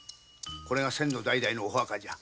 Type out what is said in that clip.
これが先祖代々のお墓じゃ。